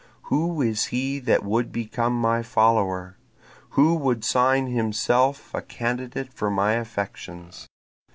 Who is he that would become my follower? Who would sign himself a candidate for my affections?